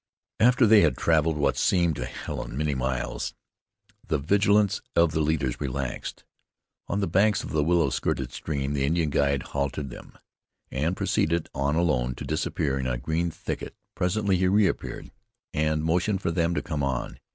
After they had traveled what seemed to Helen many miles, the vigilance of the leaders relaxed. On the banks of the willow skirted stream the Indian guide halted them, and proceeded on alone to disappear in a green thicket. Presently he reappeared, and motioned for them to come on.